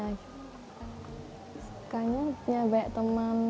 sekarang punya banyak teman